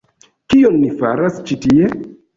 Kion ni faras ĉi tie?